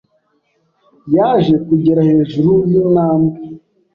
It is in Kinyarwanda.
yaje kugera hejuru yintambwe.